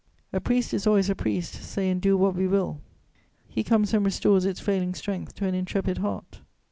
A priest is always a priest, say and do what we will; he comes and restores its failing strength to an intrepid heart.